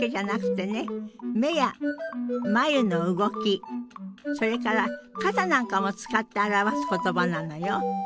目や眉の動きそれから肩なんかも使って表す言葉なのよ。